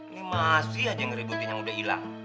nih masih aja ngerebutin yang udah ilang